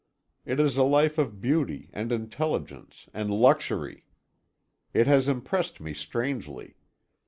It is a life of beauty and intelligence and luxury. It has impressed me strangely.